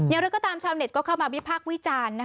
อย่างไรก็ตามชาวเน็ตก็เข้ามาวิพากษ์วิจารณ์